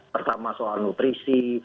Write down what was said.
pertama soal nutrisi